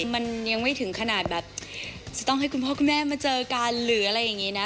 มันยังไม่ถึงขนาดแบบจะต้องให้คุณพ่อคุณแม่มาเจอกันหรืออะไรอย่างนี้นะ